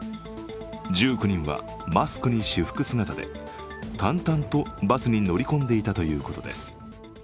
１９人はマスクに私服姿で淡々とバスに乗り込んでいたということです。